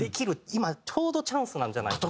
今ちょうどチャンスなんじゃないか。